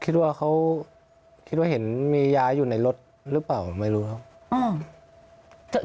คิดว่าเขาคิดว่าเห็นมียาอยู่ในรถหรือเปล่าไม่รู้ครับ